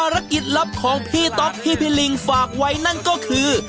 ภารกิจลับของพี่ต๊อปที่พี่ลิงฝากไว้นั่นก็คือ